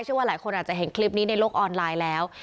ว่าหลายคนอาจจะเห็นคลิปนี้ในโลกออนไลน์แล้ว